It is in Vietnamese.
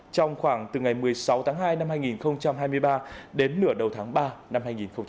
trong khoảng từ ngày một mươi sáu tháng hai năm hai nghìn hai mươi ba đến nửa đầu tháng ba năm hai nghìn hai mươi bốn